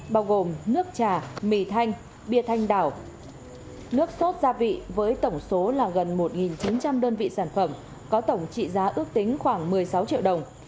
bao gồm nước trà my thanh bia thanh đảo nước sốt gia vị với tổng số là gần một chín trăm linh đơn vị sản phẩm có tổng trị giá ước tính khoảng một mươi sáu triệu đồng